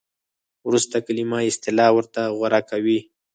ورسته کلمه یا اصطلاح ورته غوره کوي.